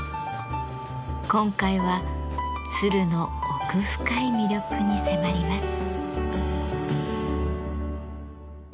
今回は鶴の奥深い魅力に迫ります。